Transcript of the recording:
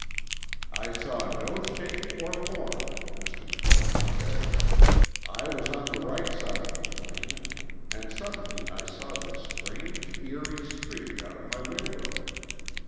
"'I saw no shape or form,' Mr. McKelvie said. 'I was on the right side of the plane, and suddenly I saw this strange eerie streak out of my window.